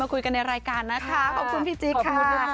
คุยกันในรายการนะคะขอบคุณพี่จิ๊กค่ะ